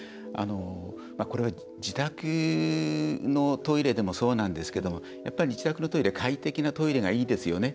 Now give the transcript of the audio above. これは、自宅のトイレでもそうなんですけどもやっぱり、自宅のトイレ快適なトイレがいいですよね。